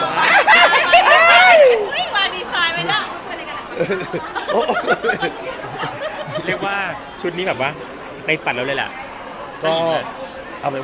เรียกว่าชุดนี้แบบว่าไปปัดแล้วเลยล่ะเอาเขานะไง